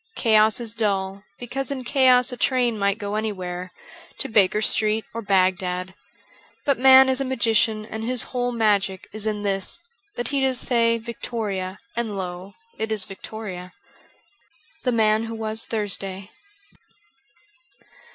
Chaos is dull ; because in chaos a train might go anywhere — to Baker Street or Bagdad. But man is a magician and his whole magic is in this that he does say 'Victoria,' and lo ! it is Victoria. ' The Man who was Thursday.'